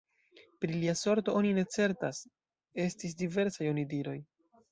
Pri lia sorto oni ne certas: estis diversaj onidiroj.